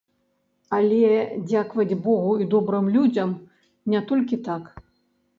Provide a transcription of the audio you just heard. Але, дзякаваць богу і добрым людзям, не толькі так.